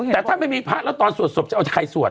แต่ถ้าไม่มีพระเราตอนสูดสวดใครสวด